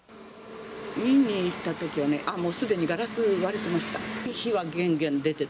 見に行ったときはね、すでにガラス割れてました。